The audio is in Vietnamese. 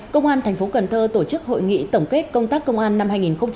công an tp cần thơ tổ chức hội nghị tổng kết công tác công an năm hai nghìn một mươi tám